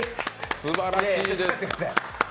すばらしいです。